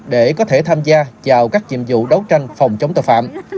để có thể tham gia vào các nhiệm vụ đấu tranh phòng chống tội phạm